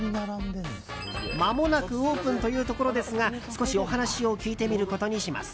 まもなくオープンというところですが少しお話を聞いてみることにします。